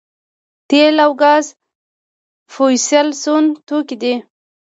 تیل او ګاز فوسیل سون توکي دي